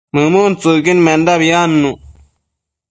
mëmuntsëcquidmendabi adnuc